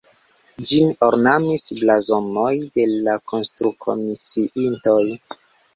Ĝin ornamis blazonoj de la konstrukomisiintoj.